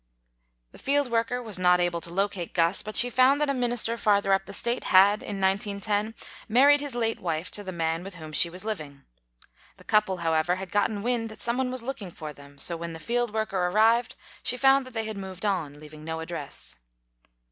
The field worker was not able to locate Guss, but she found that a minister farther up the State had, in 1910, married his late wife to the man with whom she was living. The couple, however, had gotten wind that some one was looking for them, so when the field worker arrived, she found that they had moved on, leaving no address.